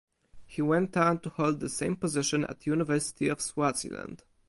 He went on to hold the same position at University of Swaziland.